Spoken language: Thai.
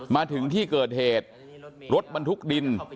มาถึงที่เกิดเหตุรถบรรทุกดิน